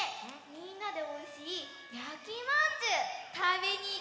みんなでおいしいやきまんじゅうたべにいかない？